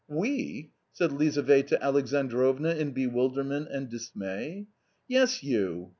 " We ?" said Lizaveta Alexandrovna in bewilderment and dismay. "Yes, you!